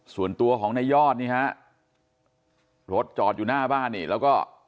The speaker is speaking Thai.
ส่วนตัวของนายยอดนี่ฮะรถจอดอยู่หน้าบ้านนี่แล้วก็